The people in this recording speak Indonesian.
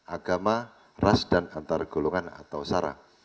agama ras dan antargolongan atau sara